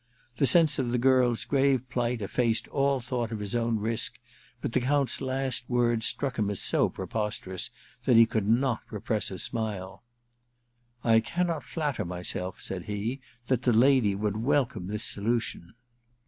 The sense of the girFs grave plight efiaced all thought of his own risk, but the Count's last words struck him as so preposterous that he could not repress a smile. * I cannot flatter myself,' said he, * that the lady would welcome this solution.'